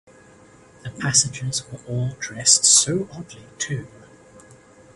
The passengers were all dressed so oddly too!